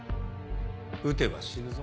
打てば死ぬぞ。